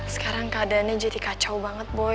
sekarang keadaannya jadi kacau banget boy